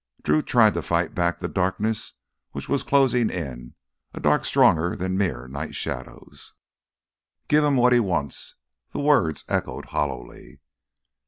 Drew tried to fight back the darkness which was closing in, a dark stronger than mere night shadows. "Give him what he wants." The words echoed hollowly.